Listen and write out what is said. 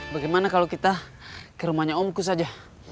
bagaimana kalau kita ke rumahnya omkus saja